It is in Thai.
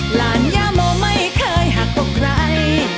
หลานย่าโมไม่เคยหักอกใคร